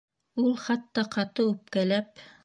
Ул хатта, ҡаты үпкәләп: